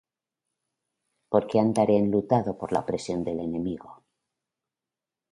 ¿Por qué andaré enlutado por la opresión del enemigo?